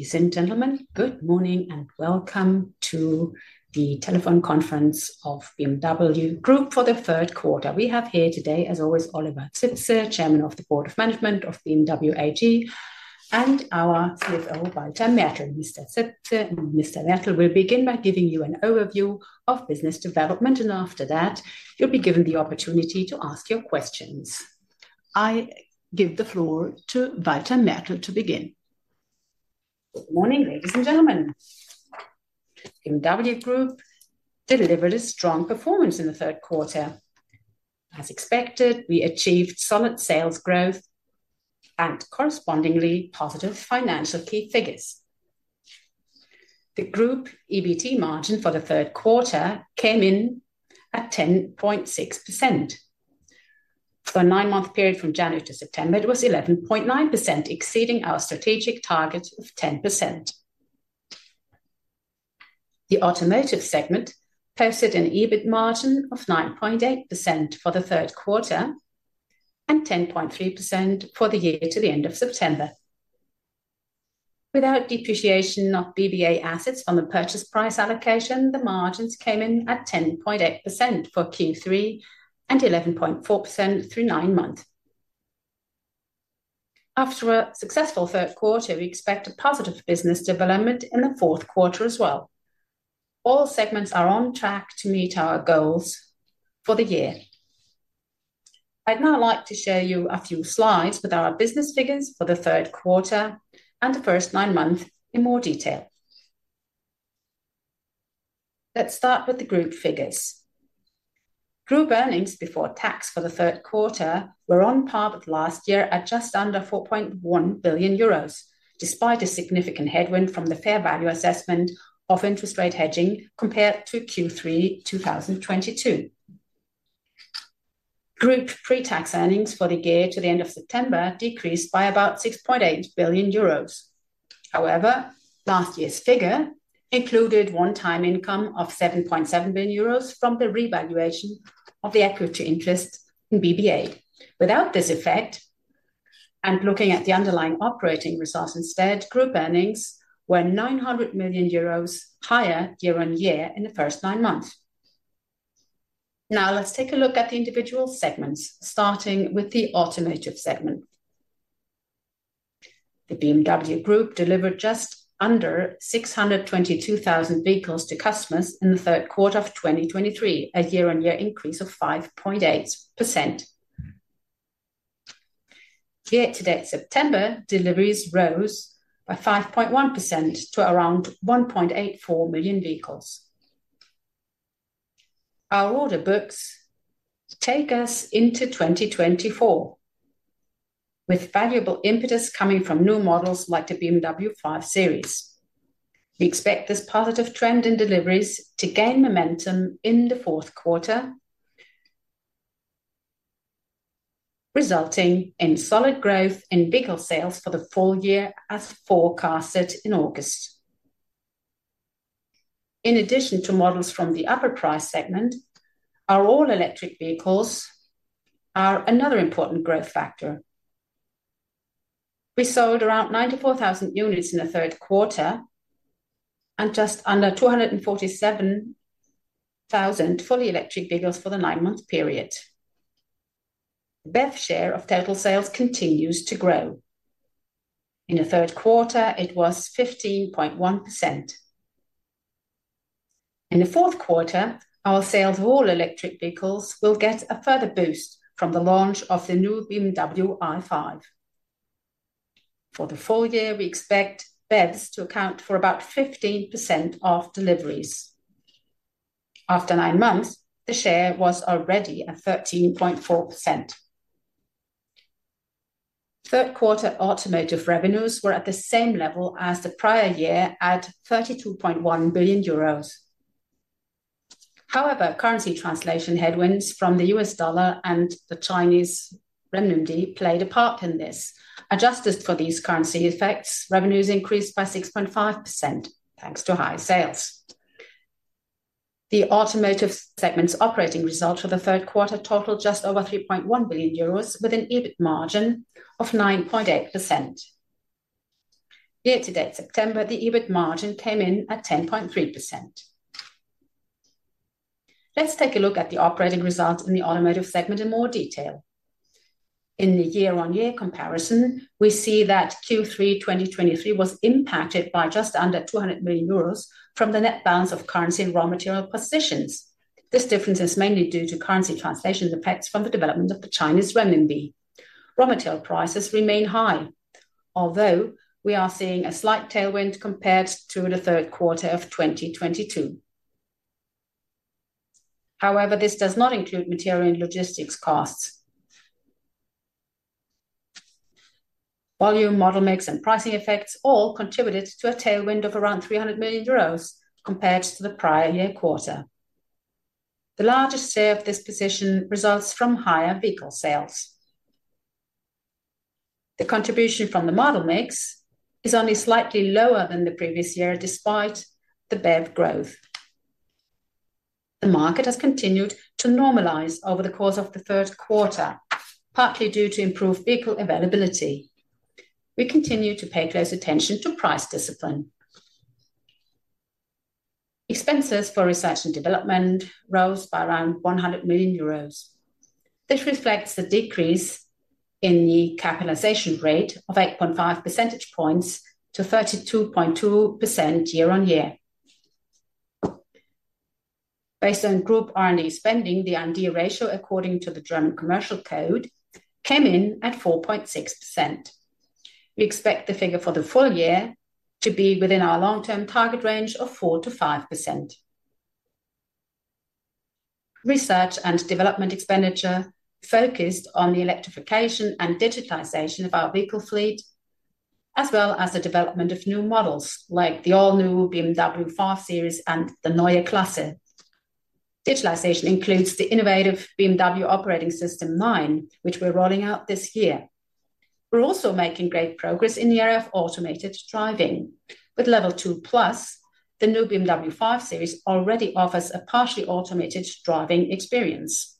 Ladies and gentlemen, good morning, and welcome to the telephone conference of BMW Group for the third quarter. We have here today, as always, Oliver Zipse, Chairman of the Board of Management of BMW AG, and our CFO, Walter Mertl. Mr. Zipse and Mr. Mertl will begin by giving you an overview of business development, and after that, you'll be given the opportunity to ask your questions. I give the floor to Walter Mertl to begin. Good morning, ladies and gentlemen. BMW Group delivered a strong performance in the third quarter. As expected, we achieved solid sales growth and correspondingly positive financial key figures. The group EBT margin for the third quarter came in at 10.6%. For a nine-month period from January to September, it was 11.9%, exceeding our strategic target of 10%. The automotive segment posted an EBIT margin of 9.8% for the third quarter and 10.3% for the year to the end of September. Without depreciation of BBA assets from the purchase price allocation, the margins came in at 10.8% for Q3 and 11.4% through nine months. After a successful third quarter, we expect a positive business development in the fourth quarter as well. All segments are on track to meet our goals for the year. I'd now like to show you a few slides with our business figures for the third quarter and the first nine months in more detail. Let's start with the group figures. Group earnings before tax for the third quarter were on par with last year at just under 4.1 billion euros, despite a significant headwind from the fair value assessment of interest rate hedging compared to Q3 2022. Group pre-tax earnings for the year to the end of September decreased by about 6.8 billion euros. However, last year's figure included one-time income of 7.7 billion euros from the revaluation of the equity interest in BBA. Without this effect, and looking at the underlying operating results instead, group earnings were 900 million euros higher year-on-year in the first nine months. Now, let's take a look at the individual segments, starting with the automotive segment. The BMW Group delivered just under 622,000 vehicles to customers in the third quarter of 2023, a year-on-year increase of 5.8%. Year-to-date September, deliveries rose by 5.1% to around 1.84 million vehicles. Our order books take us into 2024, with valuable impetus coming from new models like the BMW 5 Series. We expect this positive trend in deliveries to gain momentum in the fourth quarter, resulting in solid growth in vehicle sales for the full year as forecasted in August. In addition to models from the upper price segment, our all-electric vehicles are another important growth factor. We sold around 94,000 units in the third quarter and just under 247,000 fully electric vehicles for the nine-month period. BEV share of total sales continues to grow. In the third quarter, it was 15.1%. In the fourth quarter, our sales of all-electric vehicles will get a further boost from the launch of the new BMW i5. For the full year, we expect BEVs to account for about 15% of deliveries. After nine months, the share was already at 13.4%. Third quarter automotive revenues were at the same level as the prior year at 32.1 billion euros. However, currency translation headwinds from the U.S. dollar and the Chinese renminbi played a part in this. Adjusted for these currency effects, revenues increased by 6.5%, thanks to high sales. The automotive segment's operating results for the third quarter totaled just over 3.1 billion euros, with an EBIT margin of 9.8%. Year-to-date September, the EBIT margin came in at 10.3%. Let's take a look at the operating results in the automotive segment in more detail. In the year-on-year comparison, we see that Q3 2023 was impacted by just under 200 million euros from the net balance of currency and raw material positions. This difference is mainly due to currency translation effects from the development of the Chinese renminbi. Raw material prices remain high, although we are seeing a slight tailwind compared to the third quarter of 2022. However, this does not include material and logistics costs. Volume, model mix, and pricing effects all contributed to a tailwind of around 300 million euros compared to the prior year quarter. The largest share of this position results from higher vehicle sales. The contribution from the model mix is only slightly lower than the previous year, despite the BEV growth. The market has continued to normalize over the course of the third quarter, partly due to improved vehicle availability. We continue to pay close attention to price discipline. Expenses for research and development rose by around 100 million euros. This reflects the decrease in the capitalization rate of 8.5 percentage points to 32.2% year-on-year. Based on group R&D spending, the R&D ratio, according to the German Commercial Code, came in at 4.6%. We expect the figure for the full year to be within our long-term target range of 4%-5%. Research and development expenditure focused on the electrification and digitization of our vehicle fleet, as well as the development of new models like the all-new BMW 5 Series and the Neue Klasse. Digitization includes the innovative BMW Operating System 9, which we're rolling out this year. We're also making great progress in the area of automated driving. With Level 2 Plus, the new BMW 5 Series already offers a partially automated driving experience.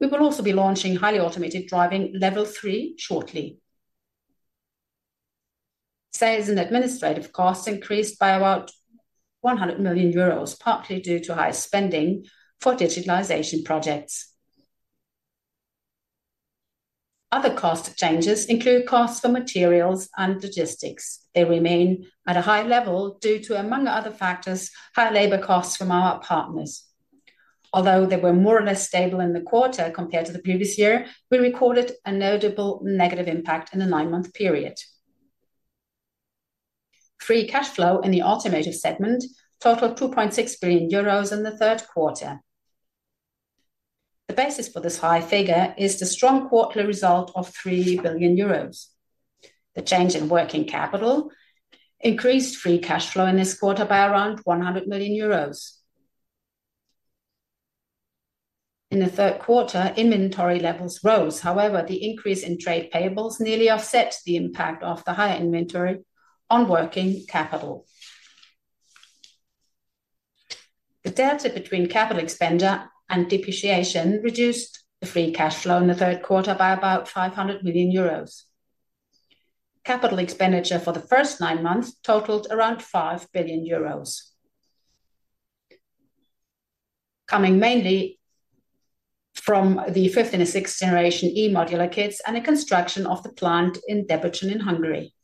We will also be launching highly automated driving Level 3 shortly. Sales and administrative costs increased by about 100 million euros, partly due to higher spending for digitization projects. Other cost changes include costs for materials and logistics. They remain at a high level due to, among other factors, high labor costs from our partners. Although they were more or less stable in the quarter compared to the previous year, we recorded a notable negative impact in the nine-month period. Free Cash Flow in the automotive segment totaled 2.6 billion euros in the third quarter. The basis for this high figure is the strong quarterly result of 3 billion euros. The change in working capital increased Free Cash Flow in this quarter by around 100 million euros. In the third quarter, inventory levels rose. However, the increase in trade payables nearly offset the impact of the higher inventory on working capital. The delta between capital expenditure and depreciation reduced the Free Cash Flow in the third quarter by about 500 million euros. Capital expenditure for the first nine months totaled around 5 billion euros, coming mainly from the fifth and sixth generation e modular kits and the construction of the plant in Debrecen in Hungary.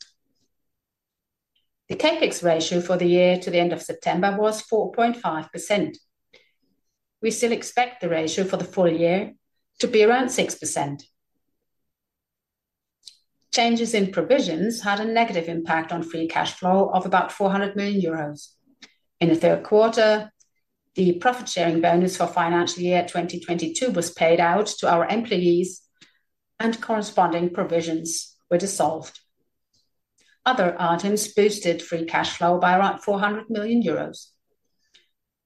The CapEx ratio for the year to the end of September was 4.5%. We still expect the ratio for the full year to be around 6%. Changes in provisions had a negative impact on free cash flow of about 400 million euros. In the third quarter, the profit-sharing bonus for financial year 2022 was paid out to our employees, and corresponding provisions were dissolved. Other items boosted free cash flow by around 400 million euros.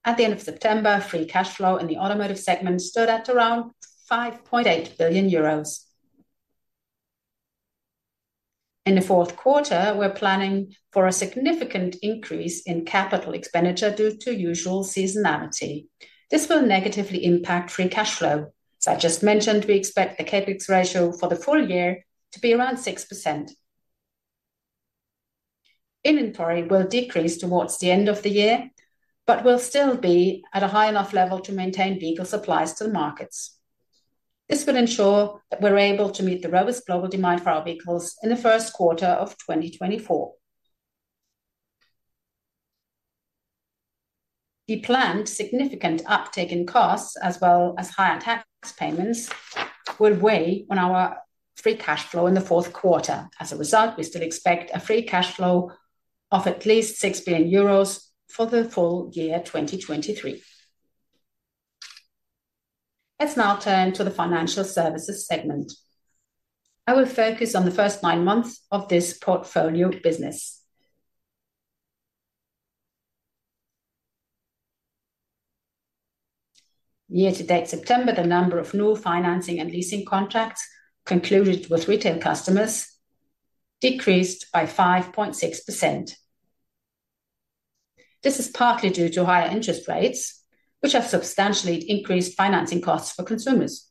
At the end of September, free cash flow in the automotive segment stood at around 5.8 billion euros. In the fourth quarter, we're planning for a significant increase in capital expenditure due to usual seasonality. This will negatively impact free cash flow. As I just mentioned, we expect the CapEx ratio for the full year to be around 6%. Inventory will decrease towards the end of the year, but will still be at a high enough level to maintain vehicle supplies to the markets. This will ensure that we're able to meet the robust global demand for our vehicles in the first quarter of 2024. The planned significant uptick in costs, as well as higher tax payments, will weigh on our free cash flow in the fourth quarter. As a result, we still expect a free cash flow of at least 6 billion euros for the full year 2023. Let's now turn to the financial services segment. I will focus on the first nine months of this portfolio business. Year to date September, the number of new financing and leasing contracts concluded with retail customers decreased by 5.6%. This is partly due to higher interest rates, which have substantially increased financing costs for consumers.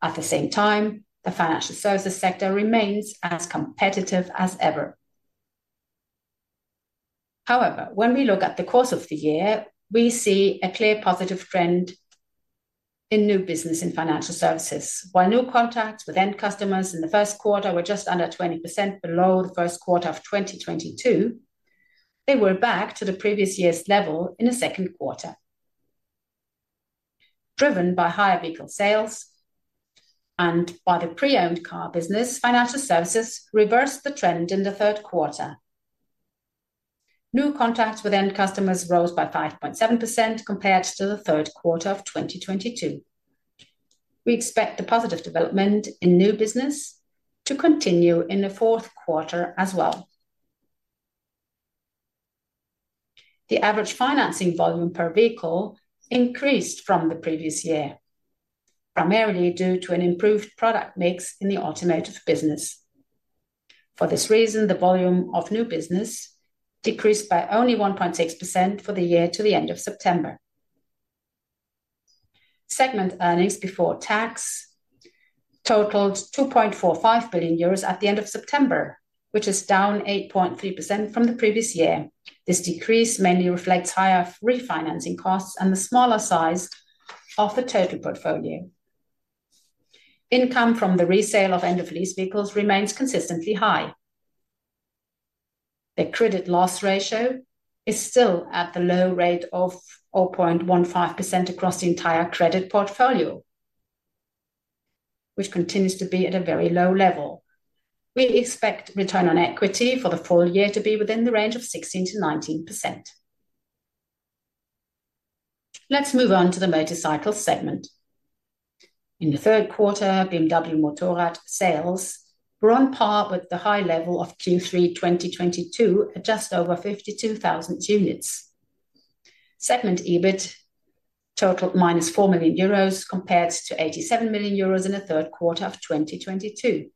At the same time, the financial services sector remains as competitive as ever. However, when we look at the course of the year, we see a clear positive trend in new business in financial services. While new contracts with end customers in the first quarter were just under 20% below the first quarter of 2022, they were back to the previous year's level in the second quarter. Driven by higher vehicle sales and by the pre-owned car business, financial services reversed the trend in the third quarter. New contracts with end customers rose by 5.7% compared to the third quarter of 2022. We expect the positive development in new business to continue in the fourth quarter as well. The average financing volume per vehicle increased from the previous year, primarily due to an improved product mix in the automotive business. For this reason, the volume of new business decreased by only 1.6% for the year to the end of September. Segment earnings before tax totaled 2.45 billion euros at the end of September, which is down 8.3% from the previous year. This decrease mainly reflects higher refinancing costs and the smaller size of the total portfolio. Income from the resale of end-of-lease vehicles remains consistently high. The credit loss ratio is still at the low rate of 0.15% across the entire credit portfolio, which continues to be at a very low level. We expect return on equity for the full year to be within the range of 16%-19%. Let's move on to the motorcycle segment. In the third quarter, BMW Motorrad sales were on par with the high level of Q3 2022, at just over 52,000 units. Segment EBIT totaled -4 million euros, compared to 87 million euros in the third quarter of 2022.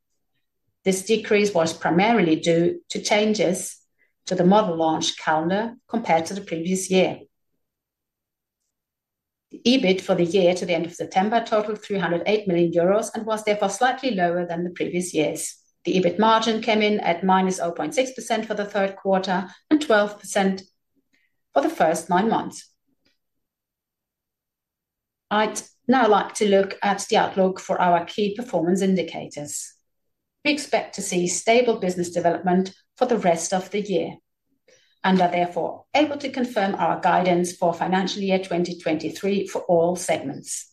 This decrease was primarily due to changes to the model launch calendar compared to the previous year. The EBIT for the year to the end of September totaled 308 million euros and was therefore slightly lower than the previous years. The EBIT margin came in at -0.6% for the third quarter and 12% for the first nine months. I'd now like to look at the outlook for our key performance indicators. We expect to see stable business development for the rest of the year, and are therefore able to confirm our guidance for financial year 2023 for all segments.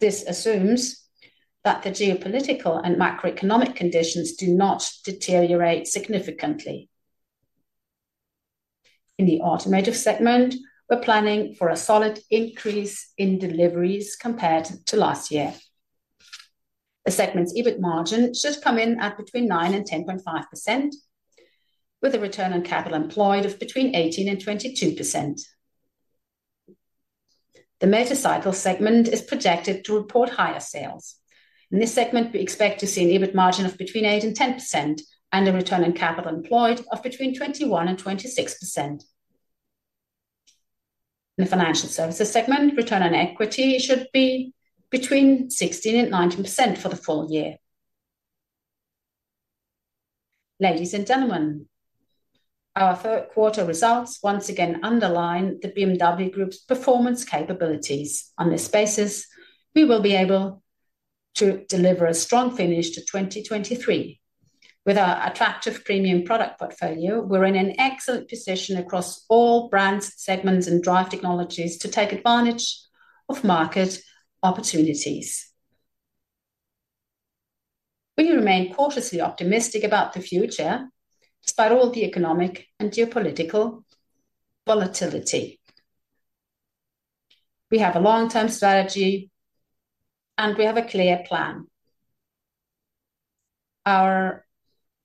This assumes that the geopolitical and macroeconomic conditions do not deteriorate significantly. In the Automotive segment, we're planning for a solid increase in deliveries compared to last year. The segment's EBIT margin should come in at between 9% and 10.5%, with a return on capital employed of between 18% and 22%. The Motorcycle segment is projected to report higher sales. In this segment, we expect to see an EBIT margin of between 8% and 10% and a return on capital employed of between 21% and 26%. In the Financial Services segment, return on equity should be between 16% and 19% for the full year. Ladies and gentlemen, our third quarter results once again underline the BMW Group's performance capabilities. On this basis, we will be able to deliver a strong finish to 2023. With our attractive premium product portfolio, we're in an excellent position across all brands, segments, and drive technologies to take advantage of market opportunities. We remain cautiously optimistic about the future, despite all the economic and geopolitical volatility. We have a long-term strategy, and we have a clear plan. Our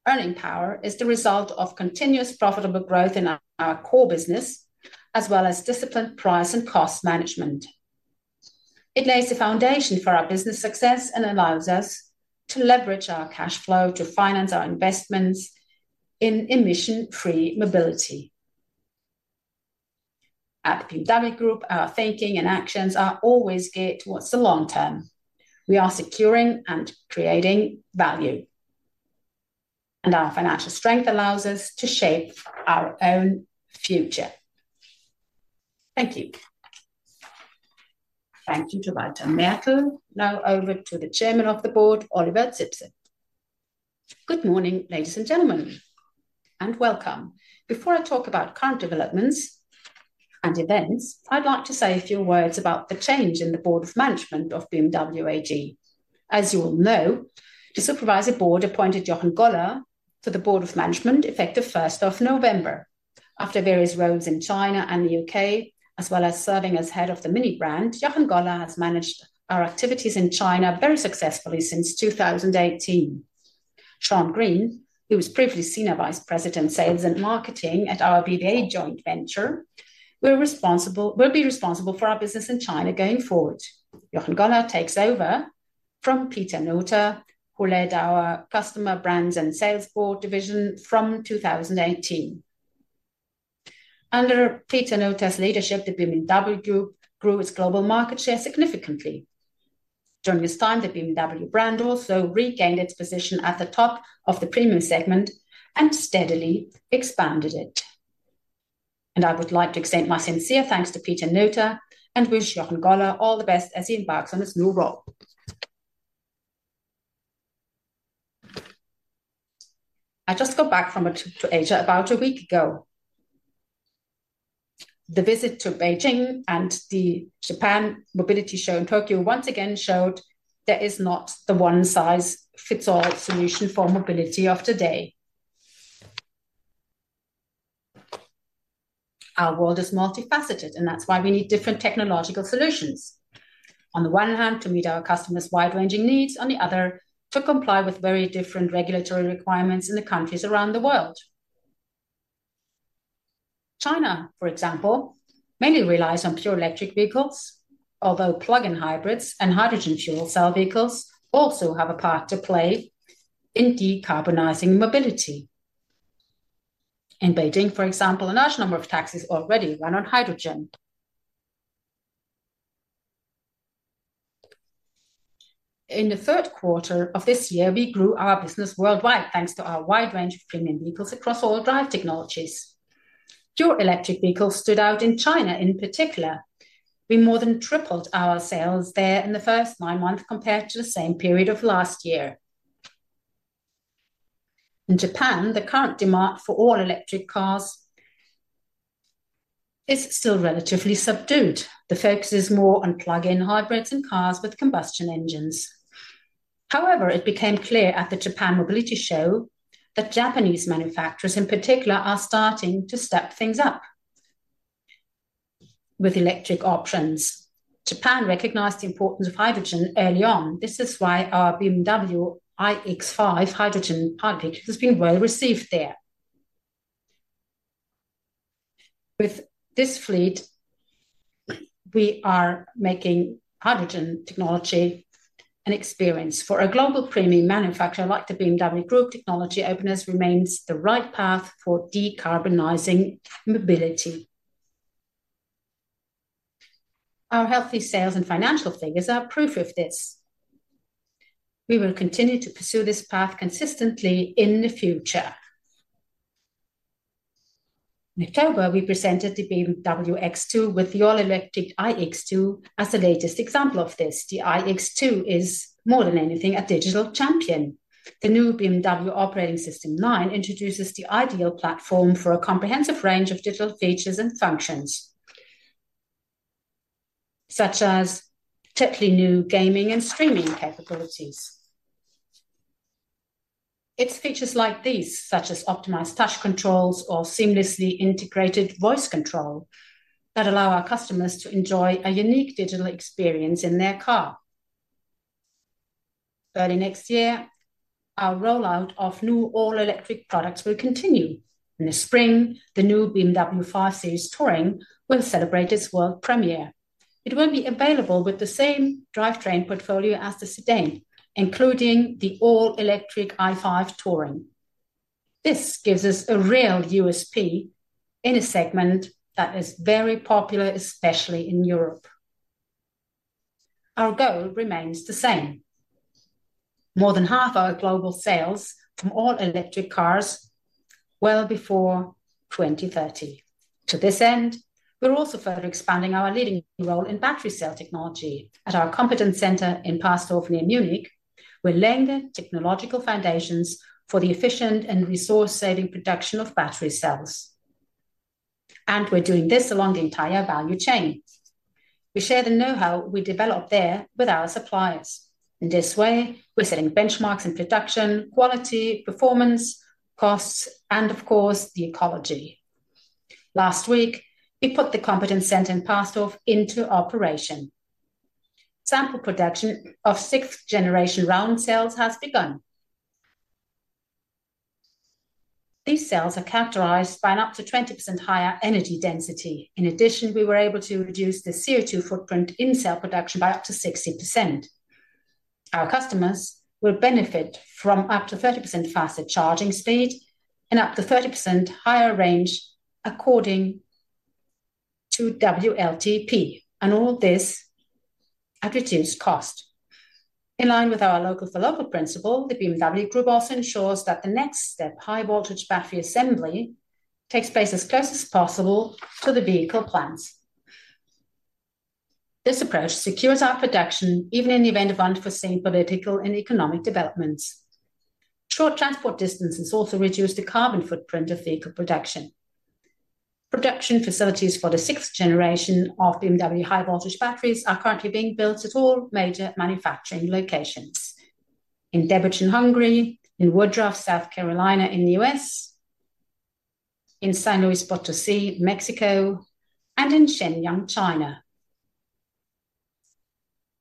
earning power is the result of continuous profitable growth in our core business, as well as disciplined price and cost management. It lays the foundation for our business success and allows us to leverage our cash flow to finance our investments in emission-free mobility. At the BMW Group, our thinking and actions are always geared towards the long term. We are securing and creating value, and our financial strength allows us to shape our own future. Thank you. Thank you to Walter Mertl. Now over to the Chairman of the Board, Oliver Zipse. Good morning, ladies and gentlemen, and welcome. Before I talk about current developments and events, I'd like to say a few words about the change in the board of management of BMW AG. As you all know, the Supervisory Board appointed Jochen Goller to the Board of Management, effective first of November. After various roles in China and the U.K., as well as serving as head of the MINI brand, Jochen Goller has managed our activities in China very successfully since 2018. Sean Green, who was previously Senior Vice President, Sales and Marketing at our BBA joint venture, will be responsible for our business in China going forward. Jochen Goller takes over from Pieter Nota, who led our Customer, Brands and Sales Board division from 2018. Under Pieter Nota's leadership, the BMW Group grew its global market share significantly. During this time, the BMW brand also regained its position at the top of the premium segment and steadily expanded it. I would like to extend my sincere thanks to Pieter Nota and wish Jochen Goller all the best as he embarks on his new role. I just got back from a trip to Asia about a week ago. The visit to Beijing and the Japan Mobility Show in Tokyo once again showed there is not the one-size-fits-all solution for mobility of today. Our world is multifaceted, and that's why we need different technological solutions. On the one hand, to meet our customers' wide-ranging needs, on the other, to comply with very different regulatory requirements in the countries around the world. China, for example, mainly relies on pure electric vehicles, although plug-in hybrids and hydrogen fuel cell vehicles also have a part to play in decarbonizing mobility. In Beijing, for example, a large number of taxis already run on hydrogen. In the third quarter of this year, we grew our business worldwide, thanks to our wide range of premium vehicles across all drive technologies. Pure electric vehicles stood out in China in particular. We more than tripled our sales there in the first nine months compared to the same period of last year. In Japan, the current demand for all-electric cars is still relatively subdued. The focus is more on plug-in hybrids and cars with combustion engines. However, it became clear at the Japan Mobility Show that Japanese manufacturers, in particular, are starting to step things up with electric options. Japan recognized the importance of hydrogen early on. This is why our BMW iX5 Hydrogen pilot has been well-received there. With this fleet, we are making hydrogen technology an experience. For a global premium manufacturer like the BMW Group, technology openness remains the right path for decarbonizing mobility. Our healthy sales and financial figures are proof of this. We will continue to pursue this path consistently in the future. In October, we presented the BMW X2 with the all-electric iX2 as the latest example of this. The iX2 is more than anything, a digital champion. The new BMW Operating System 9 introduces the ideal platform for a comprehensive range of digital features and functions, such as totally new gaming and streaming capabilities. Its features like these, such as optimized touch controls or seamlessly integrated voice control, that allow our customers to enjoy a unique digital experience in their car. Early next year, our rollout of new all-electric products will continue. In the spring, the new BMW 5 Series Touring will celebrate its world premiere. It will be available with the same drivetrain portfolio as the sedan, including the all-electric i5 Touring. This gives us a real USP in a segment that is very popular, especially in Europe. Our goal remains the same: more than half our global sales from all-electric cars well before 2030. To this end, we're also further expanding our leading role in battery cell technology. At our competence center in Parsdorf, near Munich, we're laying the technological foundations for the efficient and resource-saving production of battery cells, and we're doing this along the entire value chain. We share the know-how we develop there with our suppliers. In this way, we're setting benchmarks in production, quality, performance, costs, and of course, the ecology. Last week, we put the competence center in Parsdorf into operation. Sample production of sixth-generation round cells has begun. These cells are characterized by an up to 20% higher energy density. In addition, we were able to reduce the CO2 footprint in cell production by up to 60%. Our customers will benefit from up to 30% faster charging speed and up to 30% higher range according to WLTP, and all this at reduced cost. In line with our local-for-local principle, the BMW Group also ensures that the next step, high-voltage battery assembly, takes place as close as possible to the vehicle plants. This approach secures our production, even in the event of unforeseen political and economic developments. Short transport distances also reduce the carbon footprint of vehicle production. Production facilities for the sixth generation of BMW high-voltage batteries are currently being built at all major manufacturing locations: in Debrecen, Hungary, in Woodruff, South Carolina, in the U.S., in San Luis Potosí, Mexico, and in Shenyang, China.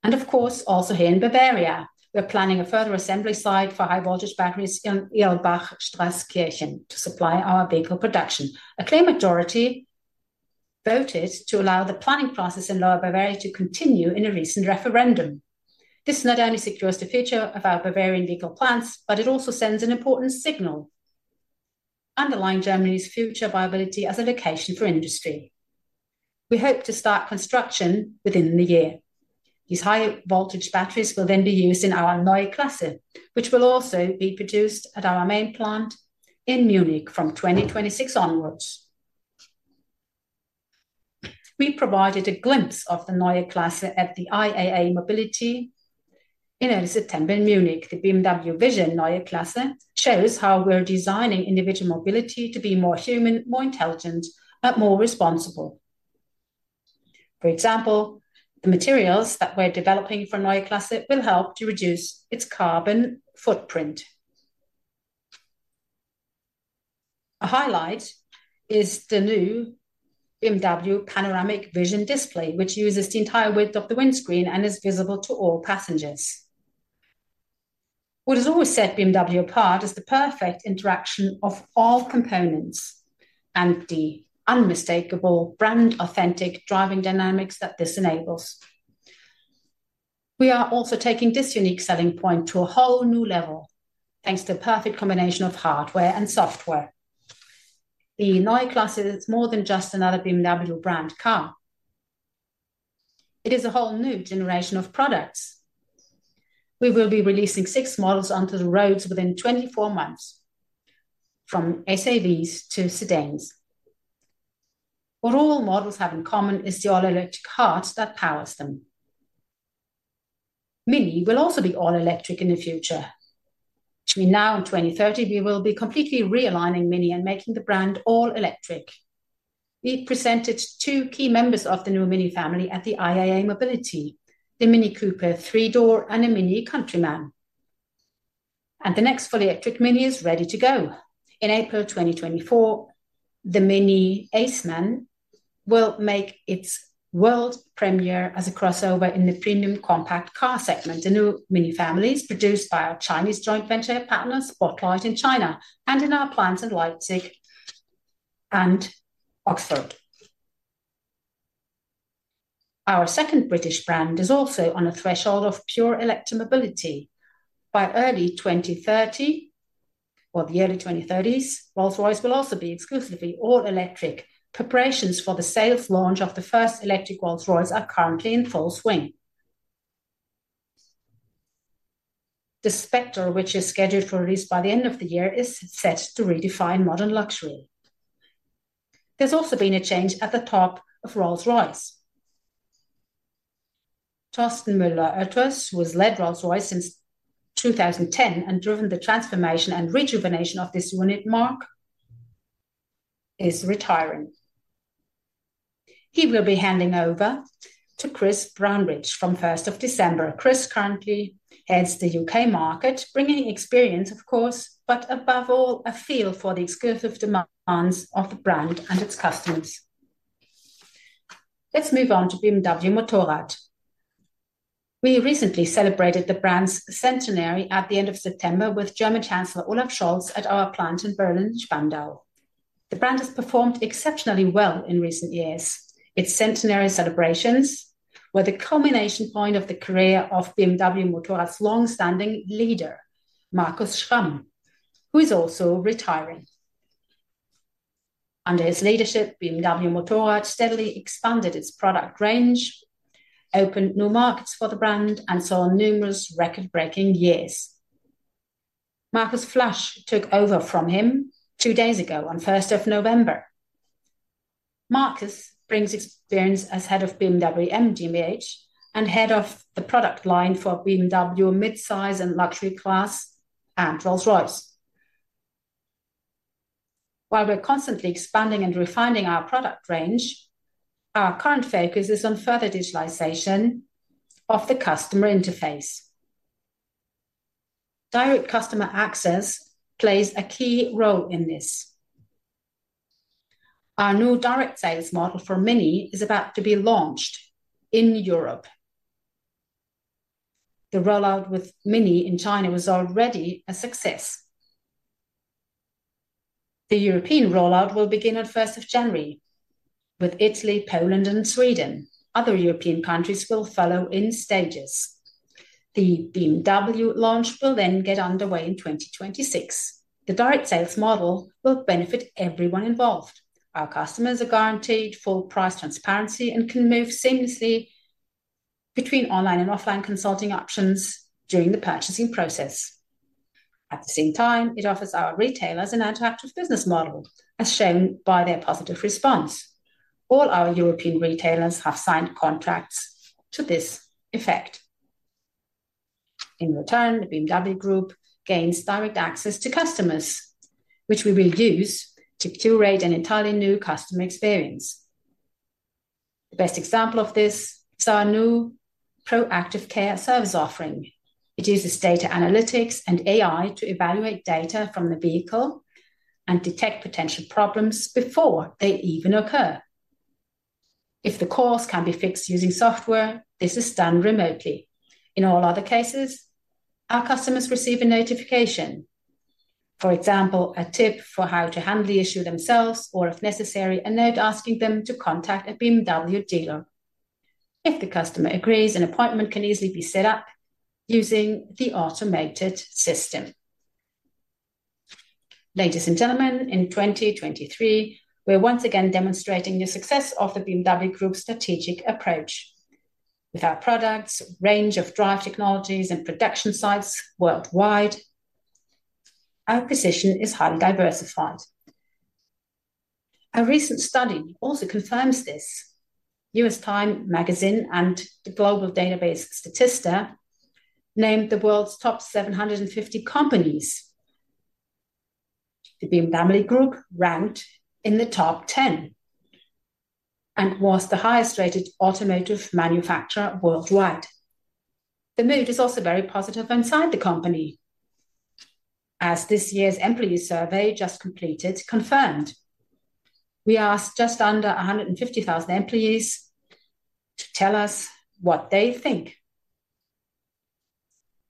Of course, also here in Bavaria, we're planning a further assembly site for high-voltage batteries in Irlbach-Straßkirchen, to supply our vehicle production. A clear majority voted to allow the planning process in Lower Bavaria to continue in a recent referendum. This not only secures the future of our Bavarian vehicle plants, but it also sends an important signal underlying Germany's future viability as a location for industry. We hope to start construction within the year. These high-voltage batteries will then be used in our Neue Klasse, which will also be produced at our main plant in Munich from 2026 onwards. We provided a glimpse of the Neue Klasse at the IAA Mobility in early September in Munich. The BMW Vision Neue Klasse shows how we're designing individual mobility to be more human, more intelligent, but more responsible. For example, the materials that we're developing for Neue Klasse will help to reduce its carbon footprint. A highlight is the new BMW Panoramic Vision Display, which uses the entire width of the windscreen and is visible to all passengers. What has always set BMW apart is the perfect interaction of all components and the unmistakable brand-authentic driving dynamics that this enables. We are also taking this unique selling point to a whole new level, thanks to the perfect combination of hardware and software. The Neue Klasse is more than just another BMW brand car; it is a whole new generation of products. We will be releasing six models onto the roads within 24 months, from SAVs to sedans. What all models have in common is the all-electric heart that powers them. MINI will also be all electric in the future. Between now and 2030, we will be completely realigning MINI and making the brand all electric. We presented two key members of the new MINI family at the IAA Mobility, the MINI Cooper three-door and a MINI Countryman. The next fully electric MINI is ready to go. In April 2024, the MINI Aceman will make its world premiere as a crossover in the premium compact car segment. The new MINI family is produced by our Chinese joint venture partner, Spotlight, in China, and in our plants in Leipzig and Oxford. Our second British brand is also on a threshold of pure electric mobility. By early 2030, or the early 2030s, Rolls-Royce will also be exclusively all electric. Preparations for the sales launch of the first electric Rolls-Royce are currently in full swing. The Spectre, which is scheduled for release by the end of the year, is set to redefine modern luxury. There's also been a change at the top of Rolls-Royce. Torsten Müller-Ötvös, who has led Rolls-Royce since 2010 and driven the transformation and rejuvenation of this unique marque, is retiring. He will be handing over to Chris Brownridge from 1st of December. Chris currently heads the U.K. market, bringing experience, of course, but above all, a feel for the exclusive demands of the brand and its customers. Let's move on to BMW Motorrad. We recently celebrated the brand's centenary at the end of September with German Chancellor Olaf Scholz at our plant in Berlin-Spandau. The brand has performed exceptionally well in recent years. Its centenary celebrations were the culmination point of the career of BMW Motorrad's long-standing leader, Markus Schramm, who is also retiring. Under his leadership, BMW Motorrad steadily expanded its product range, opened new markets for the brand, and saw numerous record-breaking years. Markus Flasch took over from him two days ago, on first of November. Markus brings experience as Head of BMW M GmbH and Head of the product line for BMW mid-size and luxury class and Rolls-Royce. While we're constantly expanding and refining our product range, our current focus is on further digitalization of the customer interface. Direct customer access plays a key role in this. Our new direct sales model for MINI is about to be launched in Europe. The rollout with MINI in China was already a success. The European rollout will begin on first of January with Italy, Poland, and Sweden. Other European countries will follow in stages. The BMW launch will then get underway in 2026. The direct sales model will benefit everyone involved. Our customers are guaranteed full price transparency and can move seamlessly between online and offline consulting options during the purchasing process. At the same time, it offers our retailers an attractive business model, as shown by their positive response. All our European retailers have signed contracts to this effect. In return, the BMW Group gains direct access to customers, which we will use to curate an entirely new customer experience. The best example of this is our new Proactive Care service offering. It uses data analytics and AI to evaluate data from the vehicle and detect potential problems before they even occur. If the cause can be fixed using software, this is done remotely. In all other cases, our customers receive a notification. For example, a tip for how to handle the issue themselves, or, if necessary, a note asking them to contact a BMW dealer. If the customer agrees, an appointment can easily be set up using the automated system. Ladies and gentlemen, in 2023, we're once again demonstrating the success of the BMW Group's strategic approach. With our products, range of drive technologies, and production sites worldwide, our position is highly diversified. A recent study also confirms this. Time magazine and the global database Statista named the world's top 750 companies. The BMW Group ranked in the top 10 and was the highest-rated automotive manufacturer worldwide. The mood is also very positive inside the company, as this year's employee survey, just completed, confirmed. We asked just under 150,000 employees to tell us what they think,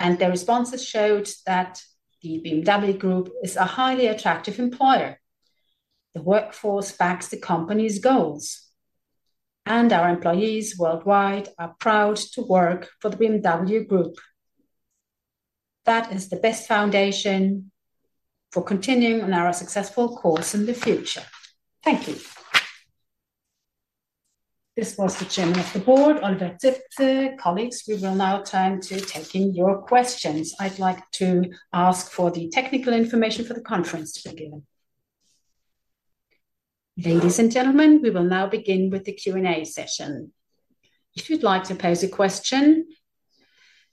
and their responses showed that the BMW Group is a highly attractive employer. The workforce backs the company's goals, and our employees worldwide are proud to work for the BMW Group. That is the best foundation for continuing on our successful course in the future. Thank you. This was the Chairman of the Board, Oliver Zipse. Colleagues, we will now turn to taking your questions. I'd like to ask for the technical information for the conference to begin. Ladies and gentlemen, we will now begin with the Q&A session. If you'd like to pose a question,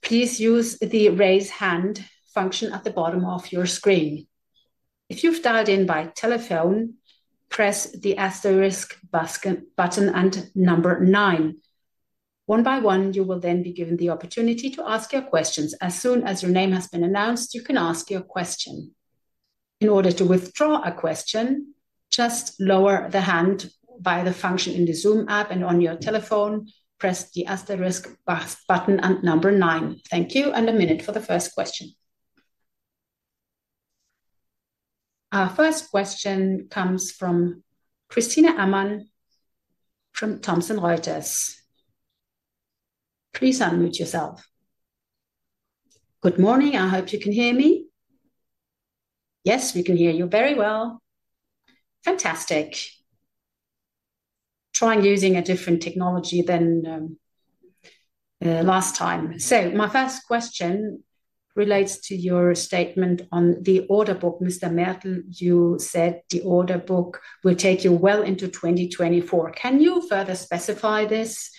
please use the Raise Hand function at the bottom of your screen. If you've dialed in by telephone, press the asterisk button and number nine. One by one, you will then be given the opportunity to ask your questions. As soon as your name has been announced, you can ask your question. In order to withdraw a question, just lower the hand via the function in the Zoom app, and on your telephone, press the asterisk button and number nine. Thank you, and a minute for the first question. Our first question comes from Christina Amann from Thomson Reuters. Please unmute yourself. Good morning. I hope you can hear me. Yes, we can hear you very well. Fantastic. Trying using a different technology than last time. So my first question relates to your statement on the order book. Mr. Mertl, you said the order book will take you well into 2024. Can you further specify this?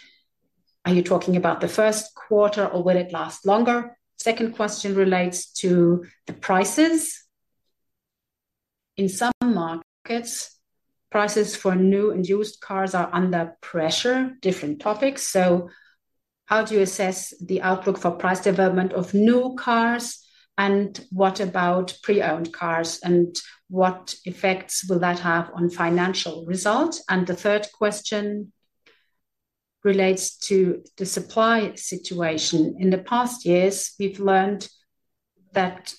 Are you talking about the first quarter, or will it last longer? Second question relates to the prices. In some markets, prices for new and used cars are under pressure, different topics. So how do you assess the outlook for price development of new cars, and what about pre-owned cars, and what effects will that have on financial results? And the third question relates to the supply situation. In the past years, we've learned that,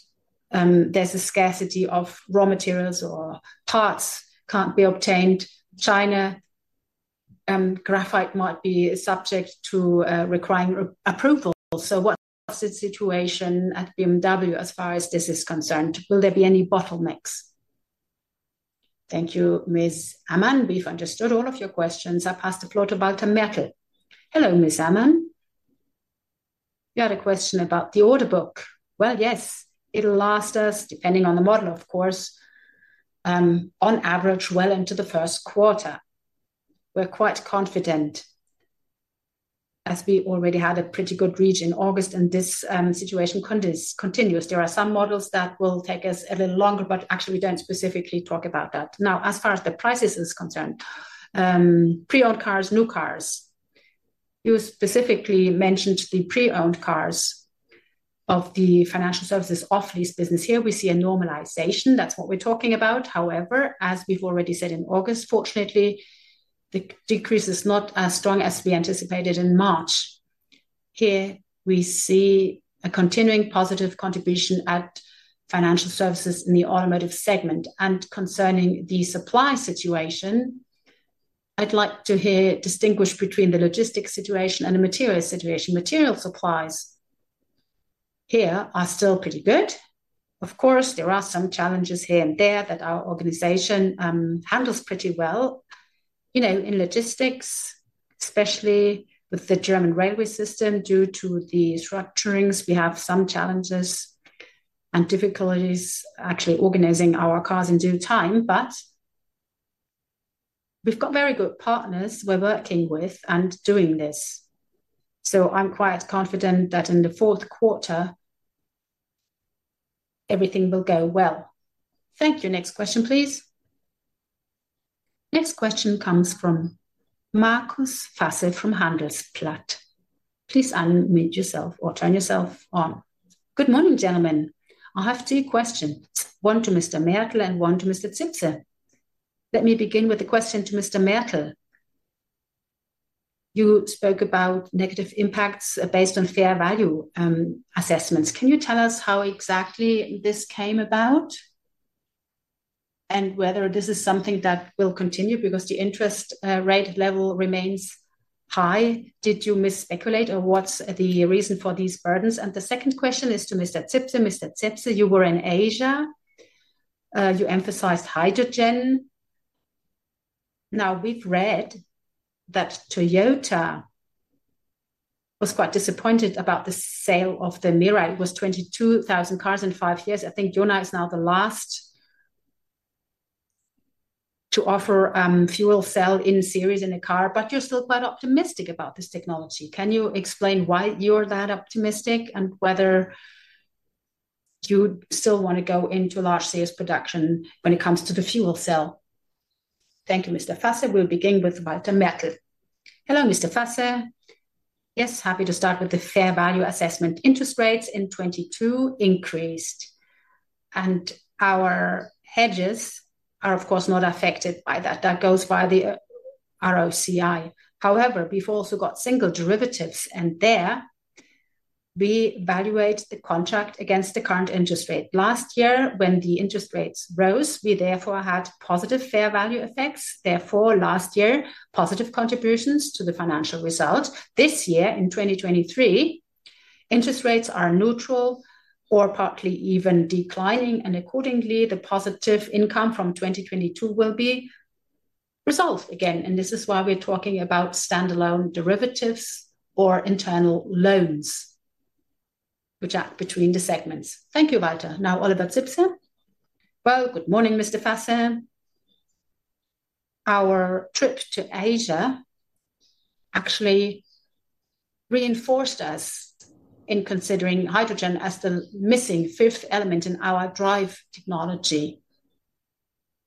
there's a scarcity of raw materials or parts can't be obtained. China, graphite might be subject to, requiring approval. So what's the situation at BMW as far as this is concerned? Will there be any bottlenecks? Thank you, Ms. Amann. We've understood all of your questions. I pass the floor to Walter Mertl. Hello, Ms. Amann. You had a question about the order book. Well, yes, it'll last us, depending on the model, of course, on average, well into the first quarter. We're quite confident, as we already had a pretty good reach in August, and this, situation continues, continues. There are some models that will take us a little longer, but actually, we don't specifically talk about that. Now, as far as the prices is concerned, pre-owned cars, new cars, you specifically mentioned the pre-owned cars of the financial services off lease business. Here we see a normalization. That's what we're talking about. However, as we've already said in August, fortunately, the decrease is not as strong as we anticipated in March. Here we see a continuing positive contribution at financial services in the automotive segment, and concerning the supply situation, I'd like to distinguish between the logistics situation and the material situation. Material supplies here are still pretty good. Of course, there are some challenges here and there that our organization handles pretty well. You know, in logistics, especially with the German railway system, due to the restructuring, we have some challenges and difficulties actually organizing our cars in due time, but we've got very good partners we're working with and doing this. So I'm quite confident that in the fourth quarter, everything will go well. Thank you. Next question, please. Next question comes from Markus Fasse from Handelsblatt. Please unmute yourself or turn yourself on. Good morning, gentlemen. I have two questions. One to Mr. Mertl and one to Mr. Zipse. Let me begin with the question to Mr. Mertl. You spoke about negative impacts based on fair value assessments. Can you tell us how exactly this came about and whether this is something that will continue because the interest rate level remains high? Did you mis-speculate, or what's the reason for these burdens? And the second question is to Mr. Zipse. Mr. Zipse, you were in Asia. You emphasized hydrogen. Now, we've read that Toyota was quite disappointed about the sale of the Mirai. It was 22,000 cars in five years. I think Toyota is now the last to offer fuel cell in series in a car, but you're still quite optimistic about this technology. Can you explain why you're that optimistic and whether you still want to go into large sales production when it comes to the fuel cell? Thank you, Mr. Fasse. We'll begin with Walter Mertl. Hello, Mr. Fasse. Yes, happy to start with the fair value assessment. Interest rates in 2022 increased, and our hedges are, of course, not affected by that. That goes via the ROCE. However, we've also got single derivatives, and there we evaluate the contract against the current interest rate. Last year, when the interest rates rose, we therefore had positive fair value effects. Therefore, last year, positive contributions to the financial results. This year, in 2023, interest rates are neutral or partly even declining, and accordingly, the positive income from 2022 will be resolved again, and this is why we're talking about standalone derivatives or internal loans which are between the segments. Thank you, Walter. Now, Oliver Zipse. Well, good morning, Mr. Fasse. Our trip to Asia actually reinforced us in considering hydrogen as the missing fifth element in our drive technology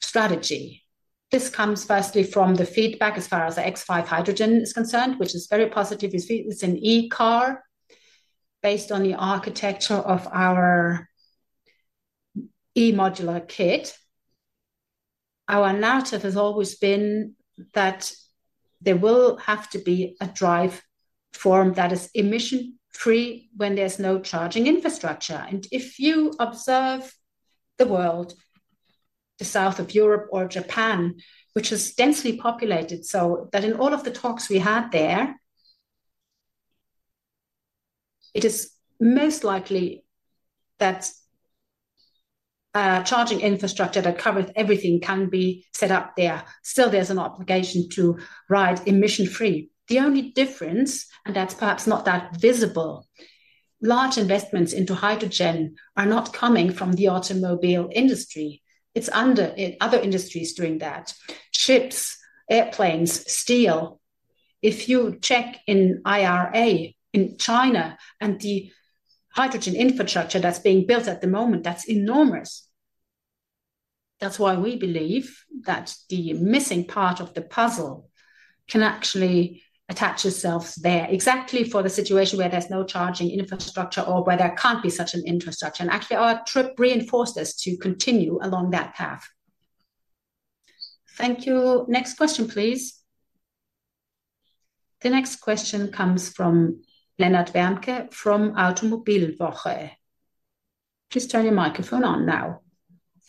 strategy. This comes firstly from the feedback as far as the X5 hydrogen is concerned, which is very positive. You see, it's an e-car based on the architecture of our e modular kit. Our narrative has always been that there will have to be a drive form that is emission-free when there's no charging infrastructure, and if you observe the world, the south of Europe or Japan, which is densely populated, so that in all of the talks we had there, it is most likely that charging infrastructure that covers everything can be set up there. Still, there's an obligation to ride emission-free. The only difference, and that's perhaps not that visible, large investments into hydrogen are not coming from the automobile industry. It's under, in other industries doing that: ships, airplanes, steel. If you check in IRA and China, and the hydrogen infrastructure that's being built at the moment, that's enormous. That's why we believe that the missing part of the puzzle can actually attach itself there. Exactly for the situation where there's no charging infrastructure or where there can't be such an infrastructure. And actually, our trip reinforced us to continue along that path. Thank you. Next question, please. The next question comes from Lennart Wermke from Automobilwoche. Please turn your microphone on now.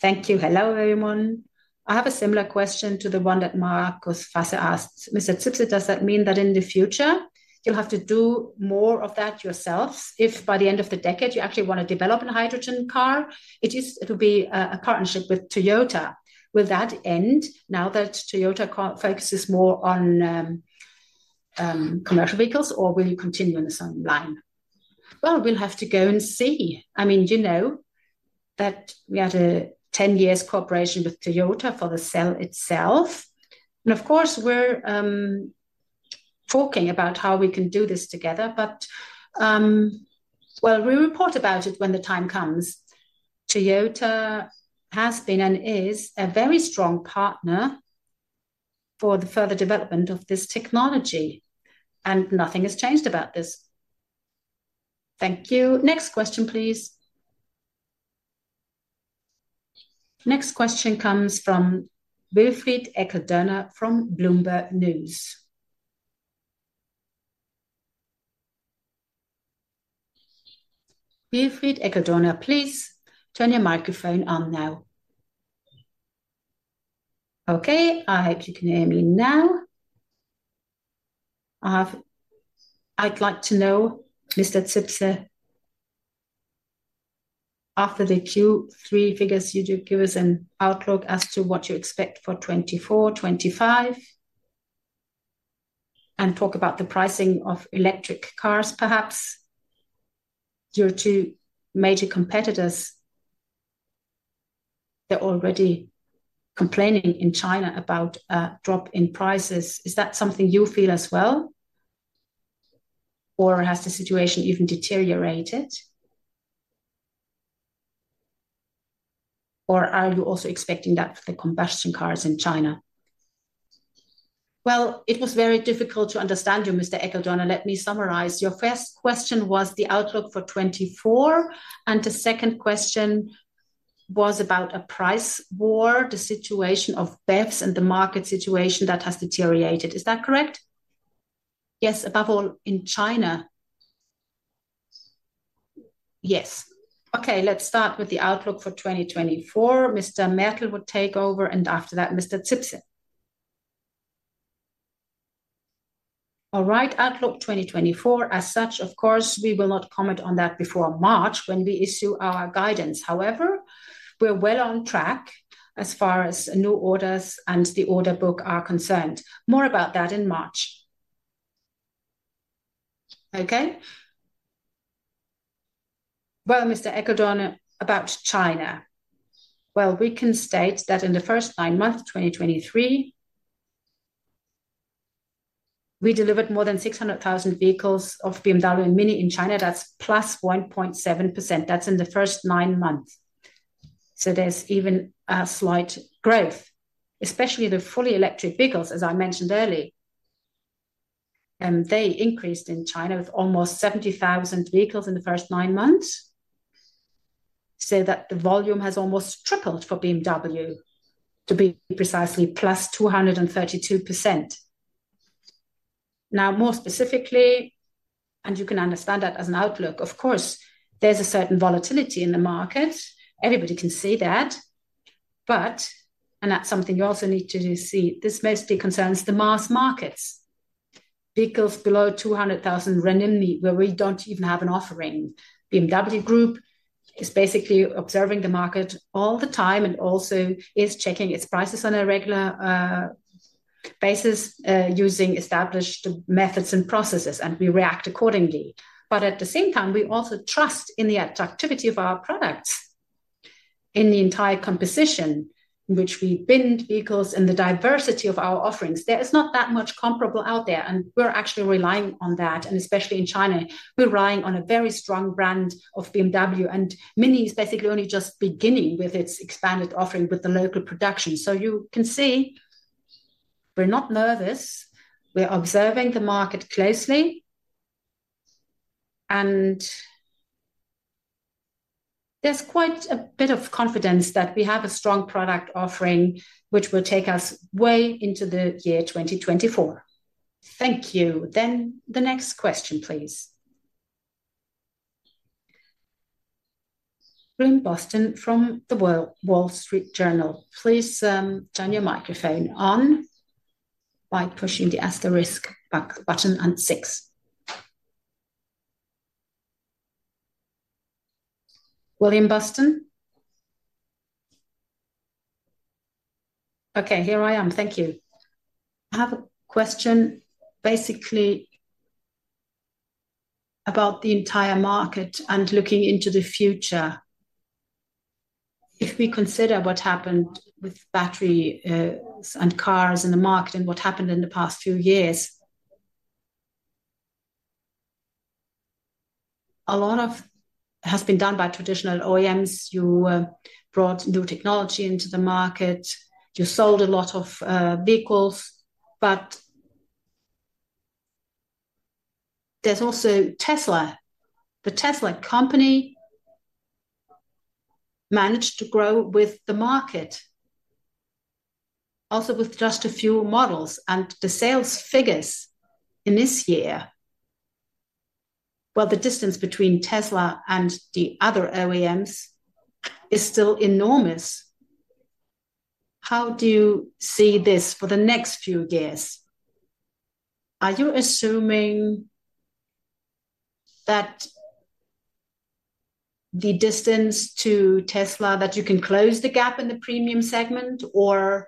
Thank you. Hello, everyone. I have a similar question to the one that Markus Fasse asked. Mr. Zipse, does that mean that in the future you'll have to do more of that yourselves, if by the end of the decade you actually want to develop a hydrogen car? It will be a partnership with Toyota. Will that end now that Toyota focuses more on commercial vehicles, or will you continue in the same line? Well, we'll have to go and see. I mean, you know that we had a 10 years cooperation with Toyota for the cell itself, and of course, we're talking about how we can do this together. But, well, we'll report about it when the time comes. Toyota has been and is a very strong partner for the further development of this technology, and nothing has changed about this. Thank you. Next question, please. Next question comes from Wilfried Eckl-Dorna from Bloomberg News. Wilfried Eckl-Dorna, please turn your microphone on now. Okay, I hope you can hear me now. I have. I'd like to know, Mr. Zipse, after the Q3 figures, you do give us an outlook as to what you expect for 2024, 2025, and talk about the pricing of electric cars, perhaps. Your two major competitors, they're already complaining in China about a drop in prices. Is that something you feel as well, or has the situation even deteriorated? Or are you also expecting that for the combustion cars in China? Well, it was very difficult to understand you, Mr. Eckl-Dorna. Let me summarize. Your first question was the outlook for 2024, and the second question was about a price war, the situation of BEVs and the market situation that has deteriorated. Is that correct? Yes, above all, in China. Yes. Okay, let's start with the outlook for 2024. Mr. Mertl would take over, and after that, Mr. Zipse. All right, outlook 2024. As such, of course, we will not comment on that before March when we issue our guidance. However, we're well on track as far as new orders and the order book are concerned. More about that in March. Okay. Well, Mr. Eckl-Dorna, about China. Well, we can state that in the first nine months of 2023 we delivered more than 600,000 vehicles of BMW and MINI in China. That's +1.7%. That's in the first nine months. So there's even a slight growth, especially the fully electric vehicles, as I mentioned earlier, and they increased in China with almost 70,000 vehicles in the first nine months. So that the volume has almost tripled for BMW to be precisely +232%. Now, more specifically, and you can understand that as an outlook, of course, there's a certain volatility in the market. Everybody can see that, but and that's something you also need to do see, this mostly concerns the mass markets. Vehicles below RMB 200,000, where we don't even have an offering. BMW Group is basically observing the market all the time, and also is checking its prices on a regular basis, using established methods and processes, and we react accordingly. But at the same time, we also trust in the activity of our products, in the entire composition in which we binned vehicles and the diversity of our offerings. There is not that much comparable out there, and we're actually relying on that, and especially in China, we're relying on a very strong brand of BMW, and MINI is basically only just beginning with its expanded offering with the local production. So you can see we're not nervous. We're observing the market closely, and there's quite a bit of confidence that we have a strong product offering, which will take us way into the year 2024. Thank you. Then the next question, please. William Boston from The Wall Street Journal. Please, turn your microphone on by pushing the asterisk back button and six. William Boston? Okay, here I am. Thank you. I have a question, basically, about the entire market and looking into the future. If we consider what happened with battery and cars in the market and what happened in the past few years, a lot of has been done by traditional OEMs. You brought new technology into the market, you sold a lot of vehicles, but there's also Tesla. The Tesla company managed to grow with the market, also with just a few models and the sales figures in this year, well, the distance between Tesla and the other OEMs is still enormous. How do you see this for the next few years? Are you assuming that the distance to Tesla, that you can close the gap in the premium segment, or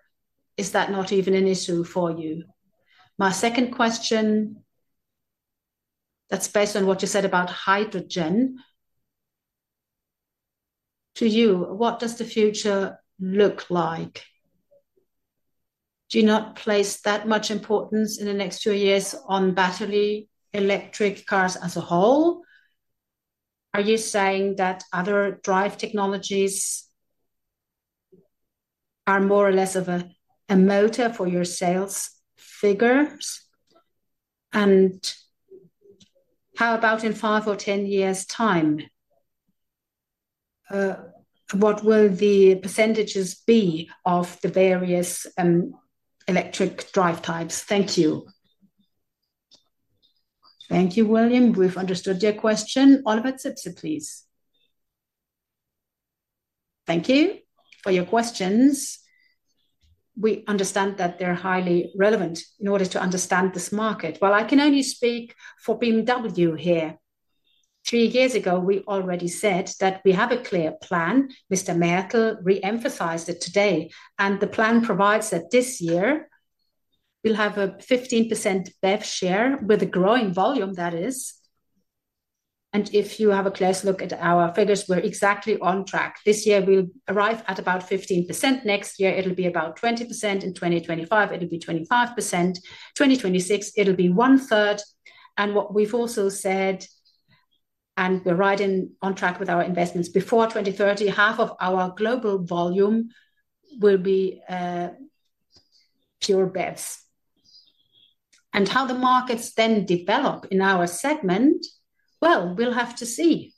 is that not even an issue for you? My second question, that's based on what you said about hydrogen. To you, what does the future look like? Do you not place that much importance in the next two years on battery electric cars as a whole? Are you saying that other drive technologies are more or less of a, a motor for your sales figures? And how about in five or ten years' time, what will the percentages be of the various, electric drive types? Thank you. Thank you, William. We've understood your question. Oliver Zipse, please. Thank you for your questions. We understand that they're highly relevant in order to understand this market. Well, I can only speak for BMW here. Three years ago, we already said that we have a clear plan. Mr. Mertl re-emphasized it today, and the plan provides that this year we'll have a 15% BEV share with a growing volume, that is. If you have a close look at our figures, we're exactly on track. This year, we'll arrive at about 15%. Next year, it'll be about 20%. In 2025, it'll be 25%. In 2026, it'll be one-third. What we've also said, and we're right in on track with our investments, before 2030, half of our global volume will be, pure BEVs. How the markets then develop in our segment, well, we'll have to see.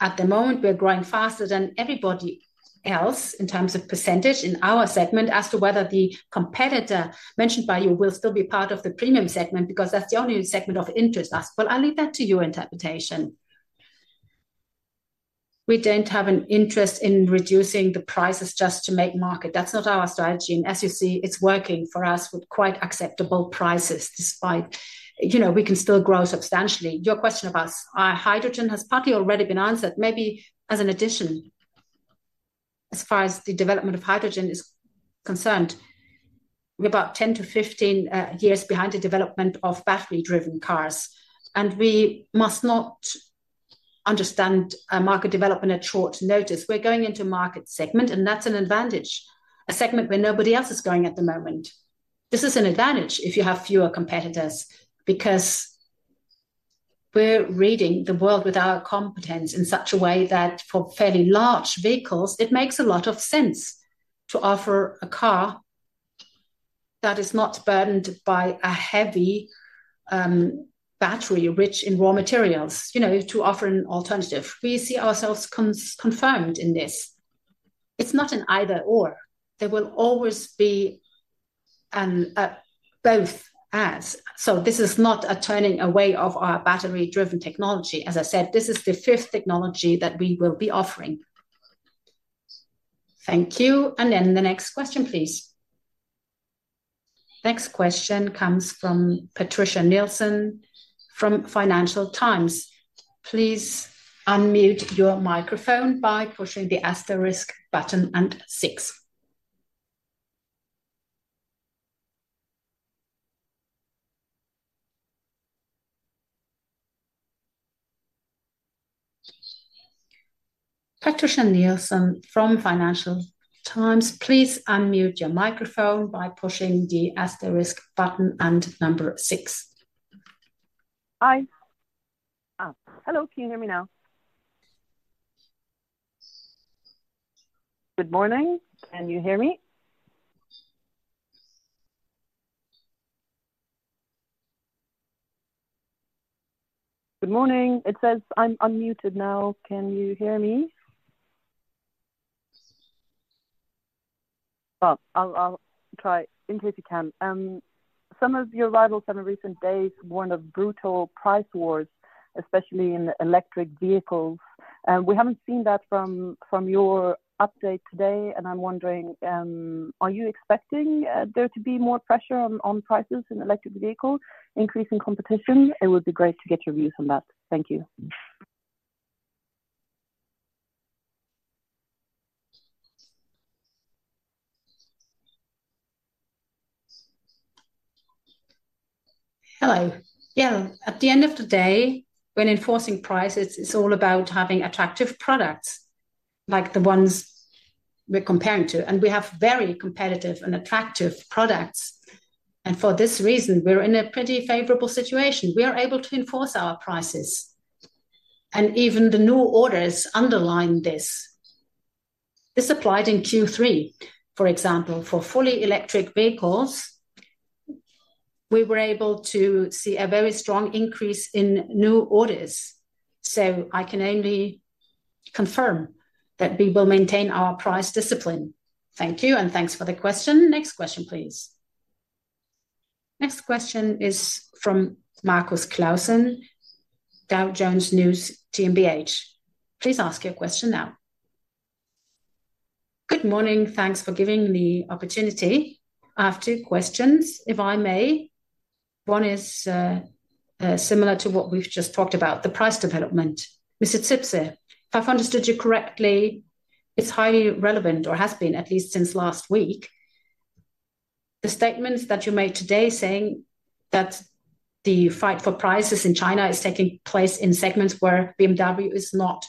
At the moment, we're growing faster than everybody else in terms of percentage in our segment, as to whether the competitor mentioned by you will still be part of the premium segment, because that's the only segment of interest to us. But I'll leave that to your interpretation. We don't have an interest in reducing the prices just to make market. That's not our strategy, and as you see, it's working for us with quite acceptable prices despite... You know, we can still grow substantially. Your question about hydrogen has partly already been answered. Maybe as an addition, as far as the development of hydrogen is concerned, we're about 10-15 years behind the development of battery-driven cars, and we must not. Understand a market development at short notice. We're going into market segment, and that's an advantage, a segment where nobody else is going at the moment. This is an advantage if you have fewer competitors because we're reading the world with our competence in such a way that for fairly large vehicles, it makes a lot of sense to offer a car that is not burdened by a heavy battery rich in raw materials, you know, to offer an alternative. We see ourselves confirmed in this. It's not an either/or. There will always be both as. So this is not a turning away of our battery-driven technology. As I said, this is the fifth technology that we will be offering. Thank you, and then the next question, please. Next question comes from Patricia Nilsson from Financial Times. Please unmute your microphone by pushing the asterisk button and six. Patricia Nilsson from Financial Times, please unmute your microphone by pushing the asterisk button and number six. Hi. Hello, can you hear me now? Good morning, can you hear me? Good morning. It says I'm unmuted now, can you hear me? Well, I'll try in case you can. Some of your rivals have in recent days warned of brutal price wars, especially in electric vehicles, and we haven't seen that from, from your update today, and I'm wondering, are you expecting, there to be more pressure on, on prices in electric vehicles, increasing competition? It would be great to get your views on that. Thank you. Hello. Yeah, at the end of the day, when enforcing prices, it's all about having attractive products like the ones we're comparing to, and we have very competitive and attractive products. And for this reason, we're in a pretty favorable situation. We are able to enforce our prices, and even the new orders underline this. This applied in Q3, for example, for fully electric vehicles, we were able to see a very strong increase in new orders. So I can only confirm that we will maintain our price discipline. Thank you, and thanks for the question. Next question, please. Next question is from Markus Klausen, Dow Jones News GmbH. Please ask your question now. Good morning. Thanks for giving me opportunity. I have two questions, if I may. One is, similar to what we've just talked about, the price development. Mr. Zipse, if I've understood you correctly, it's highly relevant or has been at least since last week, the statements that you made today saying that the fight for prices in China is taking place in segments where BMW is not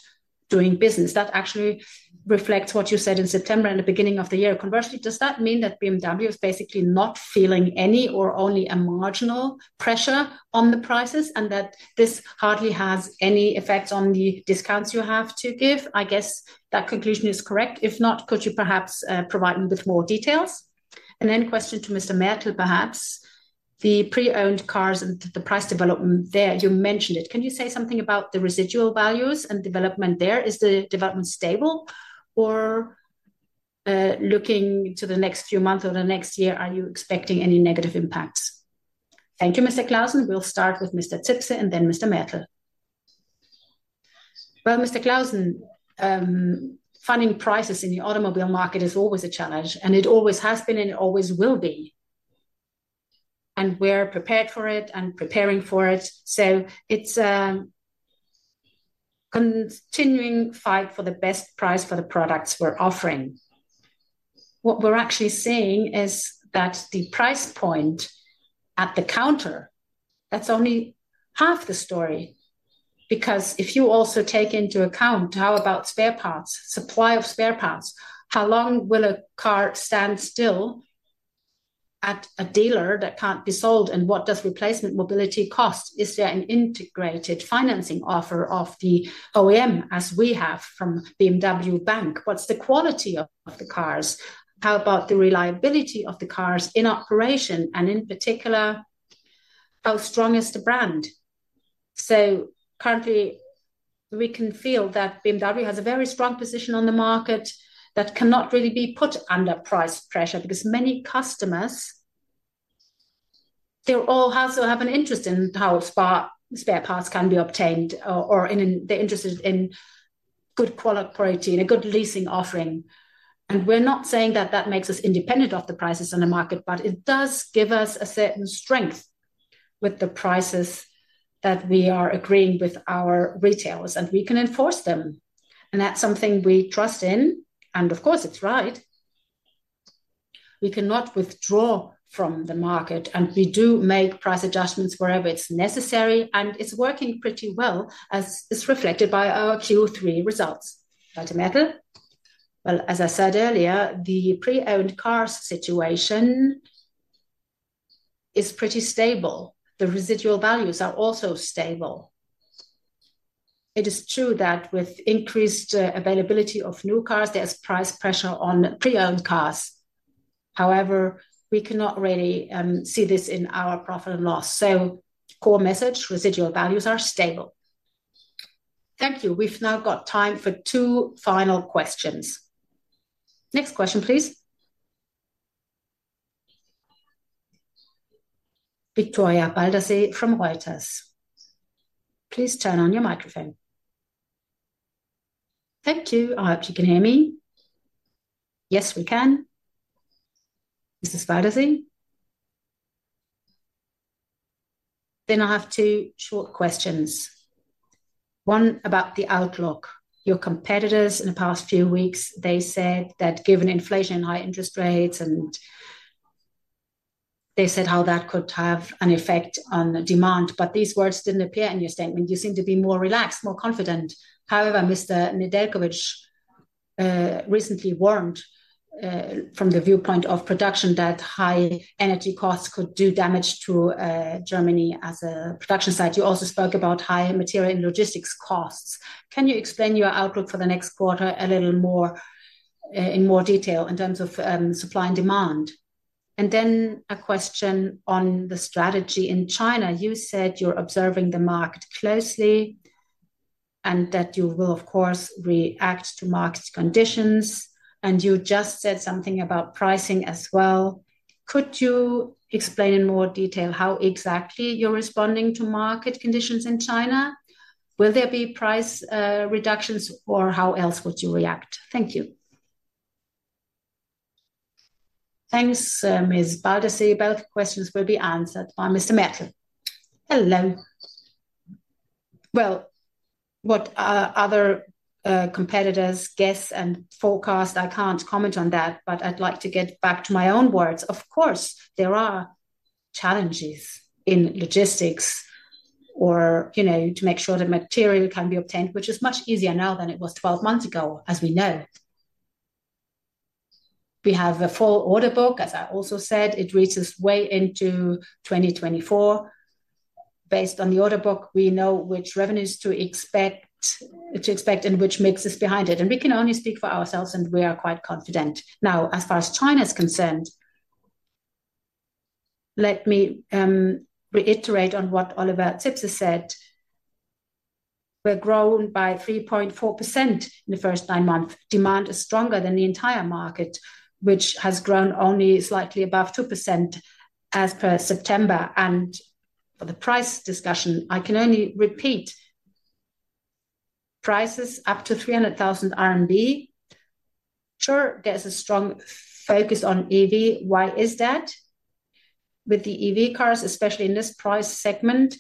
doing business. That actually reflects what you said in September and the beginning of the year. Conversely, does that mean that BMW is basically not feeling any or only a marginal pressure on the prices, and that this hardly has any effect on the discounts you have to give? I guess that conclusion is correct. If not, could you perhaps, provide me with more details? And then question to Mr. Mertl, perhaps. The pre-owned cars and the price development there, you mentioned it. Can you say something about the residual values and development there? Is the development stable, or looking to the next few months or the next year, are you expecting any negative impacts? Thank you, Mr. Klaussen. We'll start with Mr. Zipse and then Mr. Mertl. Well, Mr. Klaussen, finding prices in the automobile market is always a challenge, and it always has been and it always will be, and we're prepared for it and preparing for it. So it's a continuing fight for the best price for the products we're offering. What we're actually saying is that the price point at the counter, that's only half the story. Because if you also take into account how about spare parts, supply of spare parts? How long will a car stand still at a dealer that can't be sold, and what does replacement mobility cost? Is there an integrated financing offer of the OEM, as we have from BMW Bank? What's the quality of the cars? How about the reliability of the cars in operation, and in particular, how strong is the brand? Currently, we can feel that BMW has a very strong position on the market that cannot really be put under price pressure because many customers, they all also have an interest in how spare parts can be obtained or, or in, they're interested in good quality and a good leasing offering. And we're not saying that that makes us independent of the prices on the market, but it does give us a certain strength with the prices that we are agreeing with our retailers, and we can enforce them. And that's something we trust in, and of course, it's right. We cannot withdraw from the market, and we do make price adjustments wherever it's necessary, and it's working pretty well, as is reflected by our Q3 results. Dr. Mertl? Well, as I said earlier, the pre-owned car situation is pretty stable. The residual values are also stable. It is true that with increased availability of new cars, there's price pressure on pre-owned cars. However, we cannot really see this in our profit and loss. So core message, residual values are stable. Thank you. We've now got time for two final questions. Next question, please. Victoria Waldersee from Reuters. Please turn on your microphone. Thank you. I hope you can hear me. Yes, we can, Mrs. Waldersee. Then I have two short questions. One about the outlook. Your competitors in the past few weeks, they said that given inflation and high interest rates, and they said how that could have an effect on demand, but these words didn't appear in your statement. You seem to be more relaxed, more confident. However, Mr. Nedeljković recently warned from the viewpoint of production that high energy costs could do damage to Germany as a production site. You also spoke about high material and logistics costs. Can you explain your outlook for the next quarter a little more in more detail in terms of supply and demand? And then a question on the strategy in China. You said you're observing the market closely, and that you will, of course, react to market conditions, and you just said something about pricing as well. Could you explain in more detail how exactly you're responding to market conditions in China? Will there be price reductions, or how else would you react? Thank you. Thanks, Ms. Waldersee. Both questions will be answered by Mr. Mertl. Hello. Well, what our other competitors guess and forecast, I can't comment on that, but I'd like to get back to my own words. Of course, there are challenges in logistics or, you know, to make sure the material can be obtained, which is much easier now than it was 12 months ago, as we know. We have a full order book, as I also said, it reaches way into 2024. Based on the order book, we know which revenues to expect, to expect and which mixes behind it, and we can only speak for ourselves, and we are quite confident. Now, as far as China is concerned, let me reiterate on what Oliver Zipse said. We're grown by 3.4% in the first nine months. Demand is stronger than the entire market, which has grown only slightly above 2% as per September, and for the price discussion, I can only repeat, prices up to 300,000 RMB, sure, there's a strong focus on EV. Why is that? With the EV cars, especially in this price segment,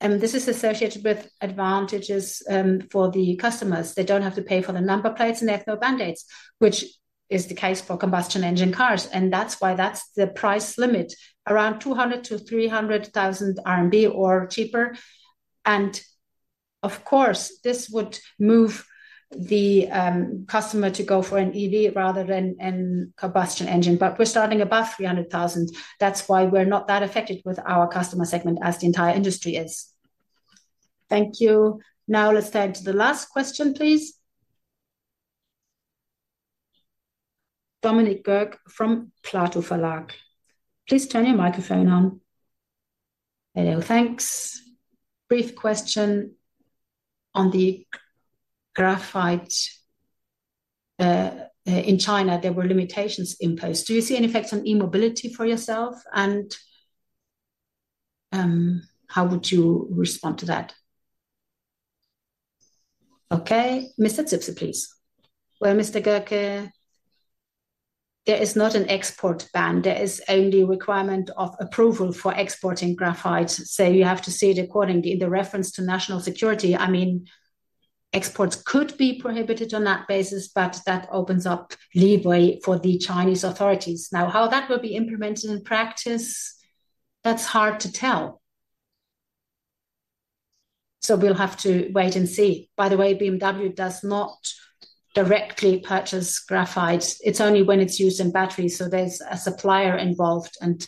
and this is associated with advantages for the customers. They don't have to pay for the number plates, and there are no ban dates, which is the case for combustion engine cars, and that's why that's the price limit, around 200,000-300,000 RMB or cheaper. And of course, this would move the customer to go for an EV rather than a combustion engine, but we're starting above 300,000. That's why we're not that affected with our customer segment as the entire industry is. Thank you. Now let's turn to the last question, please. Dominik Gierke from Platow Verlag. Please turn your microphone on. Hello, thanks. Brief question on the graphite. In China, there were limitations imposed. Do you see any effects on e-mobility for yourself, and how would you respond to that? Okay, Mr. Zipse, please. Well, Mr. Gierke, there is not an export ban. There is only a requirement of approval for exporting graphite. So you have to see it accordingly. In the reference to national security, I mean, exports could be prohibited on that basis, but that opens up leeway for the Chinese authorities. Now, how that will be implemented in practice, that's hard to tell. So we'll have to wait and see. By the way, BMW does not directly purchase graphite. It's only when it's used in batteries, so there's a supplier involved, and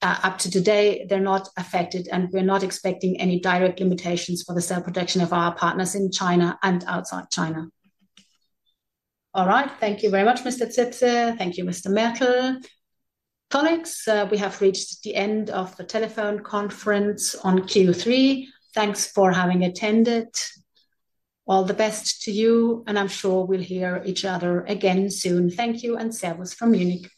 up to today, they're not affected, and we're not expecting any direct limitations for the cell production of our partners in China and outside China. All right. Thank you very much, Mr. Zipse. Thank you, Mr. Mertl. Colleagues, we have reached the end of the telephone conference on Q3. Thanks for having attended. All the best to you, and I'm sure we'll hear each other again soon. Thank you, and Servus from Munich.